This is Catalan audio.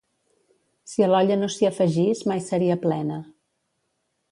Si a l'olla no s'hi afegís, mai seria plena.